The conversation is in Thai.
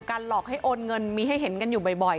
หลอกให้โอนเงินมีให้เห็นกันอยู่บ่อย